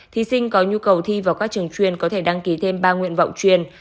thí sinh có nhu cầu thi vào các trường chuyên có thể đăng ký thêm ba nguyện vọng truyền